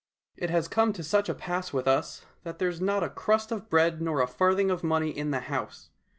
It has come to such a pass with us that there's not a crust of bread nor a farthing of money in the house.